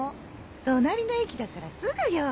隣の駅だからすぐよ。